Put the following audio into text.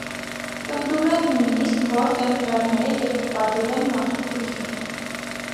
Պնդում են նույնիսկ, որ տեմպլերները երկրպագել են մարդու գլխին։